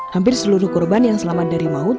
hampir seluruh korban yang selamat dari maut